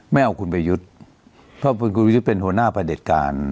ไม่เอาคุณไปยึดเพราะว่าคุณคุณลุยรู้สึกเป็นหัวหน้าประเด็จการ